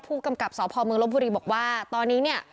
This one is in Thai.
ผู้กำกับสพเมืองลบบุรีบอกว่าตอนนี้เนี่ย